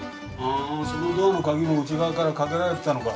そのドアの鍵も内側からかけられてたのか。